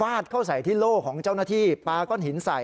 เข้าใส่ที่โล่ของเจ้าหน้าที่ปลาก้อนหินใส่